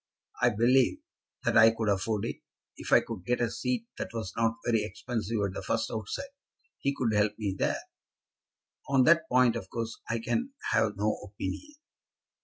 I believe that I could afford it, if I could get a seat that was not very expensive at the first outset. He could help me there." "On that point, of course, I can have no opinion."